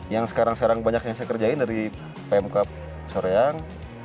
yang sekarang sekarang banyak yang saya kerjain dari pmk soreang